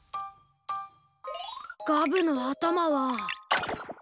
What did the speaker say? ガブのあたまは。